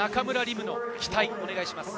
夢への期待をお願いします。